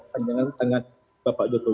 panjangan tangan bapak jokowi